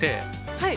はい。